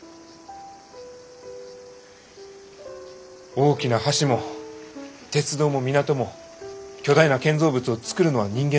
大きな橋も鉄道も港も巨大な建造物を造るのは人間の力や。